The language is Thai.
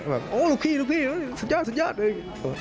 แล้วแบบโอ้ยลูกพี่สัญญาณเลย